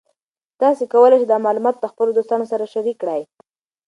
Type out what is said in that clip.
تاسو کولی شئ دا معلومات له خپلو دوستانو سره شریک کړئ.